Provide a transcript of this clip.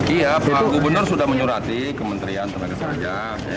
iya pak gubernur sudah menyurati kementerian tenaga kerjaan ya